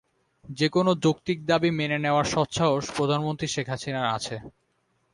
যেকোনো যৌক্তিক দাবি মেনে নেওয়ার সৎ সাহস প্রধানমন্ত্রী শেখ হাসিনার আছে।